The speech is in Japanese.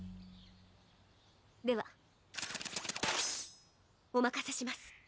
ではおまかせします。